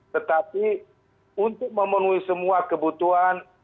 tetapi untuk memenuhi semua kebutuhan